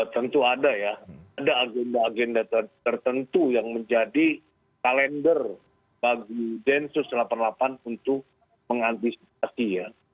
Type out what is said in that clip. tentu ada ya ada agenda agenda tertentu yang menjadi kalender bagi densus delapan puluh delapan untuk mengantisipasi ya